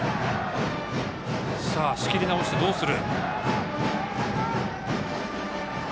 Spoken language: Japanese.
仕切り直してどうする。